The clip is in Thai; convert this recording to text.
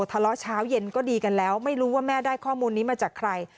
เช้าเย็นก็ดีกันแล้วไม่รู้ว่าแม่ได้ข้อมูลนี้มาจากใคร